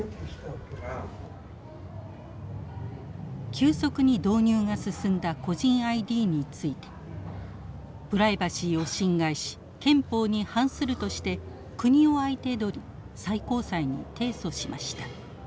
急速に導入が進んだ個人ＩＤについてプライバシーを侵害し憲法に反するとして国を相手取り最高裁に提訴しました。